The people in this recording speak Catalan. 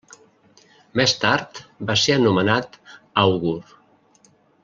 Més tard va ser nomenat àugur.